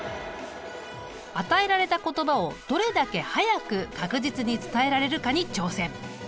与えられた言葉をどれだけ早く確実に伝えられるかに挑戦。